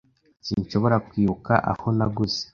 Sinshobora kwibuka aho naguze.